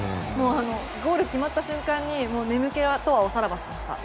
ゴールが決まった瞬間に眠気とはおさらばしました。